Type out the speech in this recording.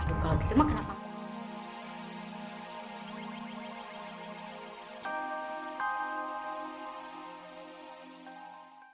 nanti aku jalan